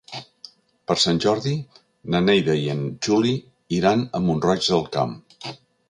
Per Sant Jordi na Neida i en Juli iran a Mont-roig del Camp.